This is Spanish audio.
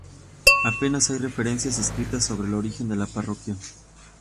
Apenas hay referencias escritas sobre el origen de la parroquia.